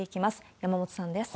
山本さんです。